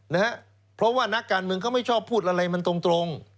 นะฮะเพราะว่านักการเมืองเขาไม่ชอบพูดอะไรมันตรงตรง